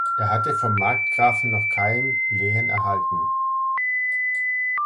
Er hatte vom Markgrafen noch kein Lehen erhalten.